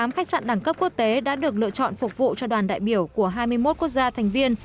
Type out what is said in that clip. một mươi khách sạn đẳng cấp quốc tế đã được lựa chọn phục vụ cho đoàn đại biểu của hai mươi một quốc gia thành viên